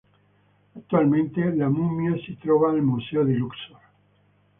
Attualmente la mummia si trova al Museo di Luxor.